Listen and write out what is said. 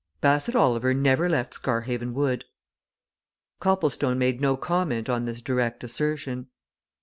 Bassett Oliver never left Scarhaven Wood!" Copplestone made no comment on this direct assertion.